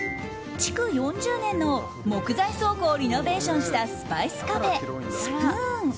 築４０年の木材倉庫をリノベーションしたスパイスカフェＳｐｏｏｎ。